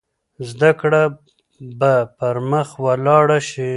زده کړه به پرمخ ولاړه شي.